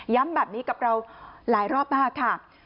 แบบนี้กับเราหลายรอบมากค่ะ